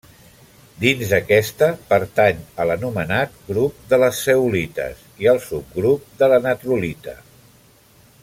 Dins d'aquesta, pertany a l'anomenat grup de les zeolites i al subgrup de la natrolita.